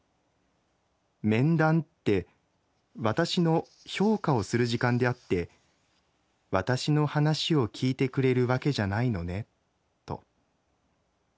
“面談”って私の“評価”をする時間であって私の話を聴いてくれる訳じゃないのねと。